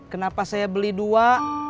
kenapa saya beli dua